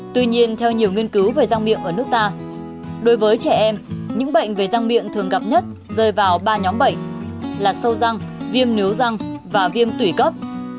tuy nhiên theo nhiều nghiên cứu về răng miệng ở nước ta đối với trẻ em những bệnh về răng miệng thường gặp nhất rơi vào ba nhóm bệnh là sâu răng viêm nếu răng và viêm tủy cấp